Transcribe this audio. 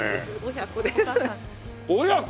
親子です。